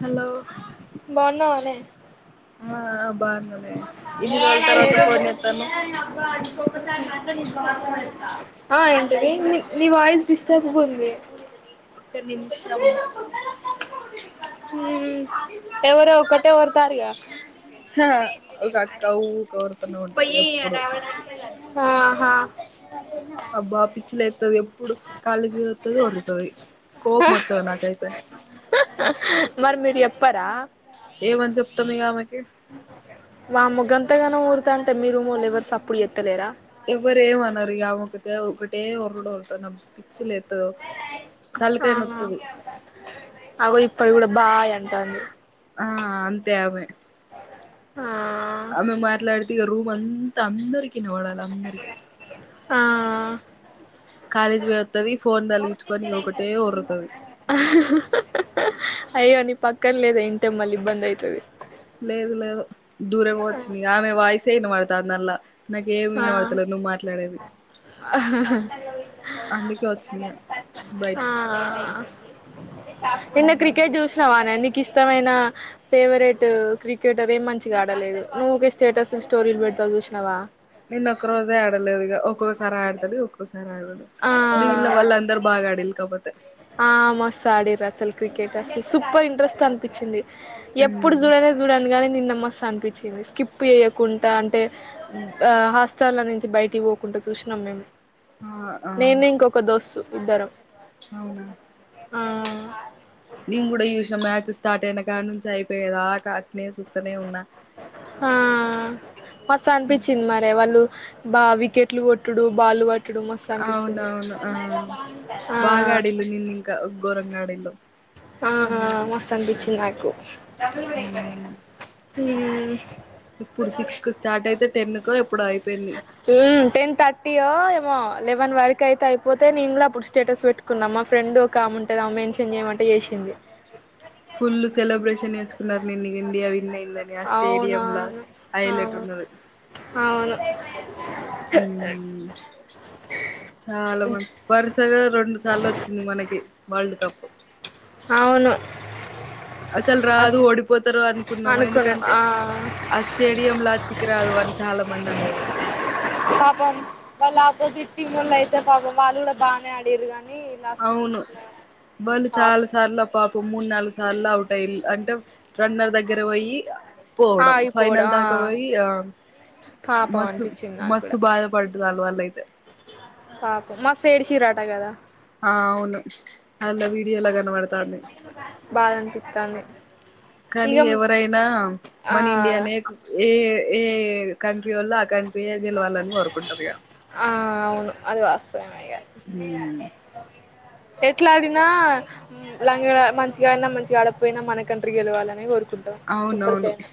Hello బన్నవనే ఆబ్ బాన్నాలే ఏ అ ఏంట నీ వాయిస్ డిస్టర్బ్ గా ఉంది ఒక నిమిషం హ ఎవరో ఒకకొటే వర్తారుగా హ ఒక అ అక్క ఊకే ఒర్రుతనే ఉంటది ఎప్పుడు హా అబ్బా పిచ్చిలు అవుతుది ఎప్పుడు కాళీకి పోతుది వడుతుది కోపం మొత్తది నాకయితే మరి మీరి ఎప్పార ఏమని చెప్తాం ఇమె వామ్మో గంతగానం ఊరుతుంటే అంటే మీరు రూమ్ వాళ్ళు ఎవరు సప్పుడు జెత్తలేరా ఎవరు ఏంమన్నారు ఆమె ఒకటే ఊరుత్ పిచ్చిలేతది ఆ ఇప్పడు గూడ బాయ్ అంటంది ఆ అంతే అవి ఆ ఆమె మాట్లాడితే రూమ్ అంతా అందరి ఈనవాడాలి అందరికి ఆ కాలేజ్ పో వస్తుది ఫోన్ తలిగించుకొని ఒకటే ఉరుతుది అయ్యో నీ పక్కన లేద ఇంటే మళ్ళీ ఇబ్బంది అయితది లేదు లేదు దూరం పోచ్చంది ఆమె వాయిస్ అయిన వాళ దానిల్ల నాకేమ ఆ వినివాడతలే నువ్వు మాట్లాడేది అందుకే వచ్చిన బయటికి ఆ నిన్న క్రికెట్ చూసినవాన ఎ మీకు ఇష్టమైన ఫేవరెట్ క్రికెటర్ ఏం మంచిగా ఆడలేదు నువ్వు ఊకె స్టేటస్ స్టోరీలు పెట్ ట్ల చూసినవా నేన్న ఒక్క రోజే ఆడలేదు ఒక్కొక్కసారి ఆడతాడు ఒక్కొక్క ఆ మీగిలిన వాళ్ళు అందరు బాగా ఆడిలు కాపోతే ఆ మస్త్ అడిండ్రు అసలు క్రికెట్ అసలు సూపర్ ఇంట్రెస్ట్ అనిపించింది ఎప్పుడు ఉమ్ చూడనే చూడనుగానీ నిన్నమ్మ మస్త్ అనిపించింది స్కిప్ చేయకుండా అంటే ఆ హాస్టల్ల నుంచి బయటికి పోకుండా చూసిన అ మేం ఆ ఆ నేను ఇంకొక దోస్తు ఇద్దరం ఆ నీ కూడా చుసిన మచ్ స్టార్ట్ అయిన క నుంచి అయిపోయేదా అట్లే చూస్తానే ఉన్నా ఆ మస్త అనిపించింది మరి వాళ్ళు బా వికెట్లు కొట్టుడు బాలు వట్ అవునవును ఆ ఆ బాగా ఆడిన్లు నిన్న ఇంకా గోరంగా ఆడింరు ఆ మస్త్ అనిపించింది నాకు మ్మ్. ఇప్పుడు సిక్స్ కు స్టార్ట్ అయితే టెన్ కు ఎప్పుడు అయిపోయింది ఉమ్ టెన్ థర్టీ యో ఏమో లెవన్ వక్ అయితే అయిపోతే నేను కూడా అప్పుడు స్టేటస్ పెట్టుకున్నాం మా ఫ్రెడ్ ఒక ఉంటుదామా మెన్షన్ చేయమంటే చేసి ఇంది ఫుల్ సెలబ్రేషన్ చేసుకున్నారు నిన్న ఇండియా విన్ అయింది అని ఆ అవునా స్టేడియంలా హైలెట్ అవును ఉన్నది అవును ఉహు చాలా మంచి పర్సు ఏ రెండు సార్లు వచ్చింది మనకి వరల్డ్ కప్పు అవును అసలు అస రాదు ఓడిపోతారు అనుకున్నాము అనుకున్నా ఎందుకంటే ఆ ఆ స్టేడియంల అచ్చికరాదు అని చాలా మంది అనేదప్పుడు పాపం వాళ్ళు ఆపోజిట్ టీమ్ ఓళయితే పాపం వాళ్ళు కూడా బానే అడిరు కానీ లాస్ట్ అవును మూమెంట్ లో వాళ్ళు చాలా పాపం సార్ల పాపం మూడు నాలుగు సార్ల అవుట్ టైల్ అంటే రన్నర్ దగ్గర పోయి పోవడం ఫైనల్ దాకా పోయి ఆ పాపం మసు అనిపించింది నాకు మసు కూడా బాధ పడ్ లు వాల్ల ఇయితే పాపం మస్త్ ఏడ్చిరాట కదా ఆ అవును అల వీడియోలా కనపడతంది బాధ అనిపిత్తాంది కానీ ఇగ ఎవరైనా ఆ మన ఇండియానే కు ఏ ఏ కంట్రీ వాళ్ళు ఆ కంట్రీయే గెలవాలని కోరుకుంటారు ఇగ ఆ అవును అది వాస్ ఉమ్ ఎట్లా ఆడిం నా లంగడా మంచిగాడినా మంచిగ ఆడకపోయినా మనకంట్రి గెలవాలనే కోరు కోరుకుంటాం అవునవును ఎప్పటికైనా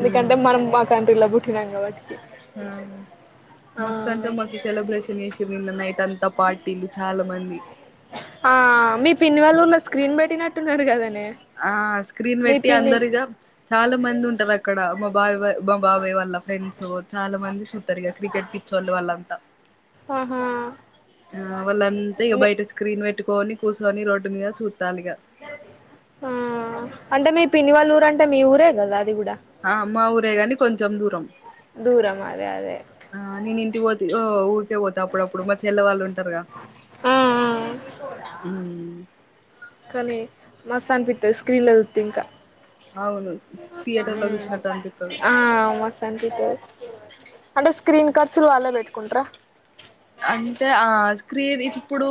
హ్మ్ మనం మా కంట్రీ లో పుట్టినాం కాబట్టి అవును మస్ అంటే ఆ మస్ సెలబ్రేషన్ చేస్ నిన్న నైట్ అంతా పార్టీలు చాలా మంది ఆ మీ పిన్నివాళ్లు ఊర్ల స్క్రీన్ పెట్టినట్టున్నారు కదనే ఆ స్క్రీన్ మీ పెట్టి పిన్ని అందరిగా చాలా మంది ఉంటారు అక్కడ మాబా మా బాబాయ్ వాళ్ళ ఫ్రెండ్స్ చాలా మంది చూతారు ఇక క్రికెట్ పిచ్చోలు వాళ్ళంతా ఆహా ఆ వాళ్ళంతా ఇక మీ బయట స్క్రీన్ పెట్టుకోని కూర్చొని రోడ్డు మీద చూ ఆ అంటే మీ పిన్నివాళ్ళ ఊరు అంటే మీ ఊరే కదా అది కూడా ఆ మా ఊరే గాని కొంచెం దూరం దూరం అదే అదే ఆ నేను ఇంటికి పో ఓ ఊకే పోత అప్పుడప్పుడు మ చెల్ల వాళ్ళు ఉంటారుగా ఆ ఊ మస్త్ అనిపితద్ స్క్రీన్ లో జూతే ఇంకా అవును థియేటర్ లో ఉమ్ చూసినట్టు అనిపిత్తది అ మస్త్ అనిపితద్ అంటే స్క్రీన్ ఖర్చులు వాళ్ళే బెట్టుకుంటార అంటే ఆ స్క్రీన్ ఇప్పుడు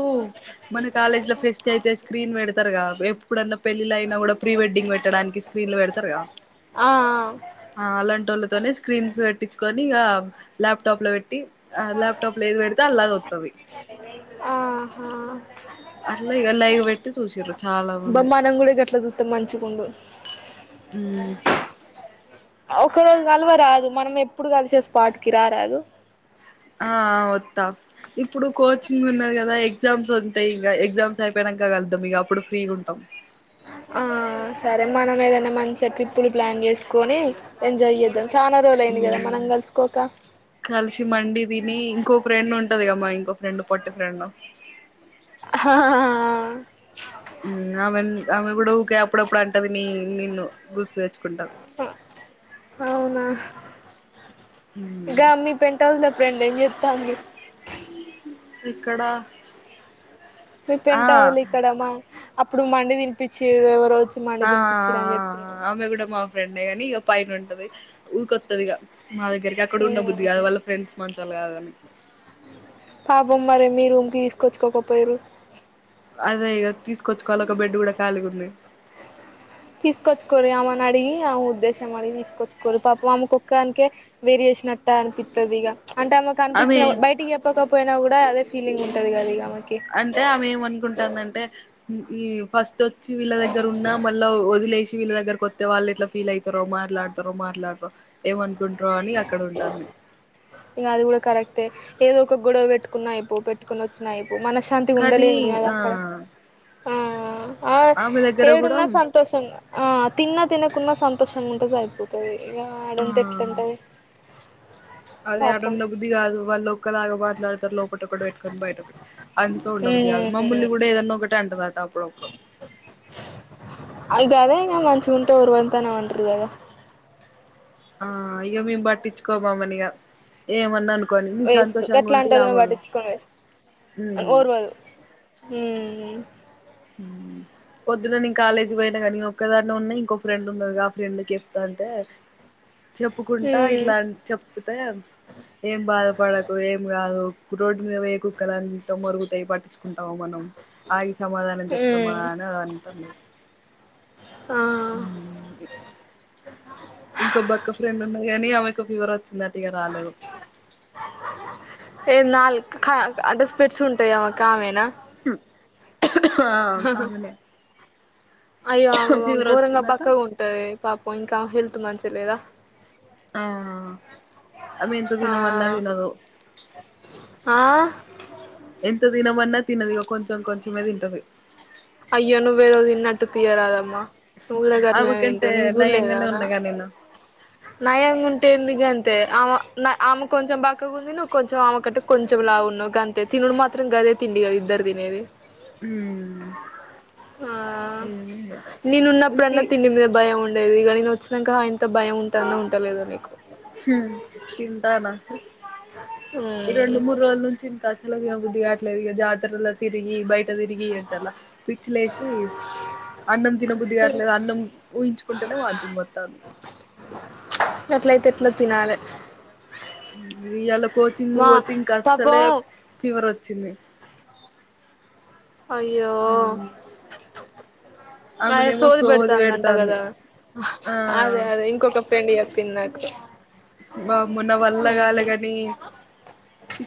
మన కాలేజ్ లో ఫెస్ట్ అయితే స్క్రీన్ పెడతారుగా ఎప్పుడన్నా పెళ్ళిళయినా గూడా ప్రీ వెడ్డింగ్ పెట్టడానికి స్క్రీన్ లో పెడతారు అ ఆ అలాంటోళ్ళు తోని స్క్రీన్స్ పెట్టించుకని ఇగా ల్యాప్టాప్ లో పెట్టి ల్యాప్టాప్ లో ఏది పె లదోత్తది ఆహా అట్లా ఇక లైవ్ పెట్టి చూసిర్రు చాలా అబ్బ మంది మనం గూడా గట్లజూతే మంచిగుండు ఉమ్ ఒక రోజు గల్వరాదు మనం ఎప్పుడు గలిసే స్పాట్కి రారదు ఆ ఓత్తా ఇప్పుడు కోచింగ్ ఉన్నాది గదా ఎగ్జామ్స్ ఉంటాయి ఇంకా ఎగ్జామ్స్ అయిపో యినంక గళ్లుదాం ఇగ అప్పుడు ఫ్రీ గుంటాం ఆ సరే మనం ఏదైనా మంచి ట్రిప్పులు ప్లాన్ జేస్కొని ఎంజాయ్ జేద్దాం ఉమ్ కలిసి మండి తిని ఇంకో ఫ్రెండ్ ఉంటదిగ మా ఇంకో ఫ్రెండు పొట్టి ఫ్రెండు హా ఉమ్ ఆమె ఆమె గూడా ఊకే అప్పుడప్పుడు అంటది నీ నిన్ను గుర్తు తెచ్చుకుంటది అవునా గా మీ పెంట్ హౌస్ లో ఫ్రెండ్ ఎం జేతాంది ఇక్కడ మీ ఆ పెంట్ హౌస్ ల ఇక్కడ మ అప్పుడు మండి తినిపించిరు ఎవరో వచ్చి మండి ఆఆ తినిపించిరు అని ఆ చెప్పిరు ఆ ఆమె గూడా మా ఫ్రెండే గాని ఇక పైనుంటది ఊకొత్తది ఇగ మా దగ్గరికి అక్కడ ఉన్న బుద్ధి గాదు వాళ్ళ ఫ్రెండ్స్ మంచోలు గదని పాపం మరి మీ రూమ్ కి తీసుకొచ్చుకోకపోయరు అదే ఇగ తీస్కచ్చుకోవాల ఒక బెడ్ గూడా కాలిగుంది తీసుకొచ్చుకోరి అమని అడిగి ఆ ఉద్దేశం అడిగి తీసుకొచ్చుకోరు పాపం ఆమెకు ఒక్కాధన్కే వేరు చేసినట్టే అనిపితదిగా అంటే ఆమెకు ఆమె అనిపించిన బయటికి చెప్పకపోయినా గూడా అదే ఫీలింగ్ ఉంటది గద ఇగ ఆమెకి అంటే ఆమె ఏమనుకుంటాందంటే ఈ ఫస్ట్ వచ్చి వీళ్ళ దగ్గర ఉన్నా మళ్ళ వదిలేసి విళ్ళ దగ్గరికొతే వాళ్ళు ఎట్లా ఫీల్ అవుతారో మాట్లాతారో మాట్లాడతారో ఏమనుకుంటారో అని అక్కడ ఉంటాంది ఇగ అది గూడా కరెక్టే ఏదో ఒక గొడవ పెట్టుకున్నా అయిపోవు పెట్టుకుని వచ్చినయిపో మనశాంతిగ కానీ ఉండలేంది గదా ఆ అక్కడ ఆ ఆ ఆమె దగ్గర కూడా ఏడున్నా సంతోషం ఆ తిన్నా తినకున్నా సంతోషంగా ఉంటే సరిపోతది ఇగ ఆ ఆడుంటే ఎట్లుంటది అదే ఆడ పాపం ఉండబుద్దిగదు వాళ్ళ ఒకలాగా మాట్లాడతారు లోపట ఒకటి పెట్టుకని బయటోకటి అందుకే ఉమ్ ఉండబుద్ధిగదు మమ్మల్ని గూడా ఏదన్నా ఒకటి అంటదట అప్పుడోక అయితే అదే ఉంటే ఓర్వని తనం అంటారు కదా ఆ ఇగ మేమ్ పట్టించుకోమమనిగ ఏమన్నాను వేస్ట్ ఎట్లా అంటలో పట్టిచ్చకొని వేస్ట్ ఉమ్ ఓరువదు ఉమ్ పొద్దున నేను కాలేజీకి పోయినా గనీ ఒక్కదాన్నే ఉన్నా ఇంకో ఫ్రెండ్ ఉంది ఆ ఫ్రెండ్కి చెప్తా అంటే అ చెప్పుకుంటా హ్మ్ ఇట్లా చెప్తే ఏం బాధపడకు ఏం గదు రోడ్డు మీద పోయే కుక్కలంతా మొరుగుతై పటించుంటామ మనం అ ఇ సమా జప్తమా హ్మ్ అని అది అంటున్న ఆ మ్ మ్ ఇంకో బక్క ఫ్రెండ్ ఉన్నది గనీ ఆమెకు ఫీవర్ వచ్చిందటిగ రాలేదు ఏ నాల్ కా అంటె స్పెడ్స్ ఉంటయ్ ఆమెక్ ఆమెనా ఆ అమెనే అయ్యో ఆమె ఘోరంగా బక్కగుంటది పాపం ఇంకా ఆమె హెల్త్ మంచిగ లేదా ఆ ఆమేంత ఆ తినమన్నా తినదు ఆ ఎంత తినమన్నా తినదు ఇగ కొంచెం కొంచమే తింటది అయ్యో నువ్వేదో తిన్నట్టు తియ్యరాదమ్మ నువ్వు గూడ గట్లనే ఆమెకంటే తింటవ్ నేను నయంగానే చూడలేదానా ఉన్నగా నేను నయంగుం టెంది గంతే ఆమె న ఆమె కొంచెం బక్కగుంది నువ్వు కొంచెం ఆమె కంటే కొంచెం లావున్నవ్ గంతే తిన్ నుడు మాత్రం గదే తిండి ఇగ ఇద్దరు తినేది మ్ ఆ నేనున్నప్పుడన్న ఇంకి తిండి మీద భయం ఉండేది ఇగ నినొ చ్చినంక అయింత భయం ఉన్ హుమ్ తింటానా ఈ రెండు మూడు రోజుల నుంచి ఇంకసలే తినబుద్ది గాట్లేదు ఇగ జాతరలో తిరిగి బయట్ టతిరిగి ఎండల పిచ్చిలేశి అన్నం తినబుద్దిగాట్లేదు అన్నం ఊహించుకుంటేనే వాంతింగ్ వత్తాంది గట్లయితే ఎట్ల తినాలే మ్ ఇయ్యల కోచింగు పొతే పాపం ఇంకస్సలే ఫీవర్ వచ్చింది అయ్యో అదే ఆమెనేమో సోది సోదిబెడుతాందంట పెడతాంది గదా ఆ అదే అదే ఇంకొక ఫ్రెండ్ చెప్ తిన్నక్ బా మ్మో నా వాళ్ళ గాలేగనీ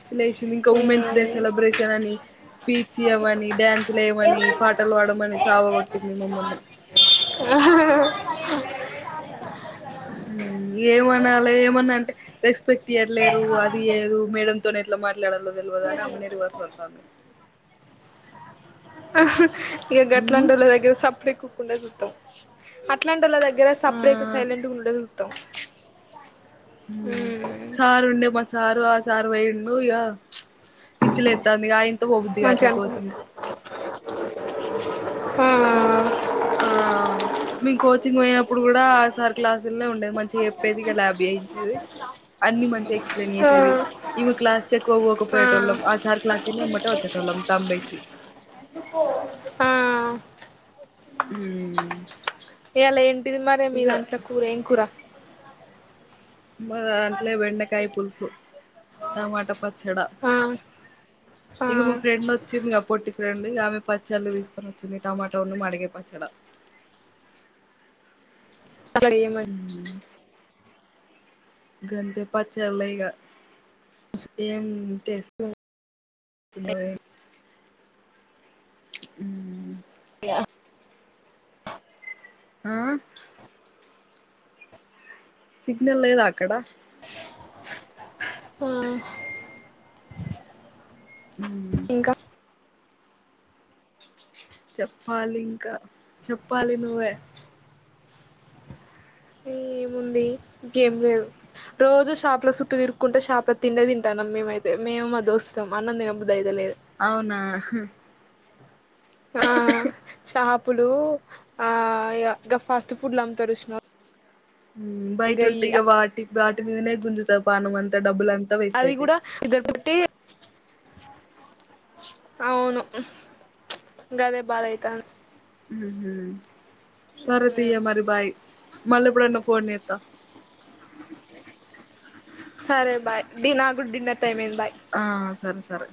పిచ్చిలేశింది ఇంక ఉమెన్స్ డే సెలబ్రేషన్ అని స్పీచ్ ఇయ్యమని డ్యాన్స్లు లేయమని పాటలు పా ప్పడమని సావ గొట్టింది మమ్మల్ని ఆహ మ్ ఏమనాలే ఏమన్నంటే రెస్పెక్ట్ ఇయట్లేరు ఆదియదు మేడం తొని ఎట్ల మాట్లాడాలో తెల్వదు అని ఆమెనే రివర్స్ వడ్తాంది ఇగ ఉమ్ గట్లంటోళ్ల దగ్గర సప్పుడేక ఉకుండేది ఉత్తమ్మం అట్లాంటోళ్ల దగ్ గర సప్పుడేక ఆ సైలెంట్ గుండేది ఉతం సార్ ఉండే మా సారు ఆసారు పోయిండు ఇగా పిచ్చిలేత్తాంది ఇగ అయింత పోబుద్దిగాట్లే కోచింగ్కి ఆ అ ఆ మీ కోచింగ్ పోయినప్పుడు గూడా ఆ సార్ క్లాస్ సుల్నే ఉండేది మంచిగ చెప్పేది ఇగ ల్యాబ్ చేయించేది అన్ని మంచిగ ఎక్స్ప్లెయిన్ ఆ చేసేది ఈమె క్లాస్ కి ఎక్కువ ఆ పోకపోయేటొళ్ళం ఆసారు క్లాసినీ ఎమ్మటే ఒచ్చెటొళ్ ళ్ళం తంబ్బెశి అ హు మ్ ఇయ్యలేంటిది మరె మీ దాంట్లో కూర ఏం కూర మా దాంట్లే బెండకాయ్ పులుసు టమాటా పచ్చడ ఆ ఆ ఇగ మా ఫ్రెండ్ ఒచ్చింది గా పొట్టి ఫ్రెండ్ ఇగ ఆమె పచ్చళ్ళు తీసుకొని ఒచ్చింది టమాటా ఉన్ను మడికాయ్ పచ్చడా ఏమని మ్ గంతే పచ్చళ్లే ఇగ ఏంటేస్ చిన్నది ఉమ్ య్య ఆ సిగ్నల్ లేదా అక్కడ ఆ ఉమ్ ఇంకా చేప్పాలింకా చెప్పాలి నువ్వె ఏముంది ఇంకేం లేదు రోజు షాపుల చుట్టూ తిరుక్కుంట షాపుల తిండే తింటాన్నం మేమైతే మేము మా దోస్తులం అన్నం తినబుద్దయితలేదు అవునా ఆ చాప్ ఇప్పుడు ఆ ఇగ గా ఫస్ట్ ఫుడ్లు అమ్ముతరు చూసినవ ఉమ్ బైటుంటే ఇక వాటి వాటి మీదనే గుంజుతది పానం అంతా డబ్బులం అది కూడా ఇదోకటి అవును గదే బాధయితంది ఉమ్ హు సరే తియ్యే మరి బాయ్ మల్లేప్పుడన్న ఫోన్ చేత్త సరే బాయ్ డి నాకు కూడా డిన్నర్ టైమ్ అయింద్ బా ఆ సరె సరే